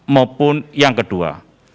maupun yang kedua